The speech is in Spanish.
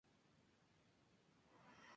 Sus restos fueron trasladados a San Buenaventura.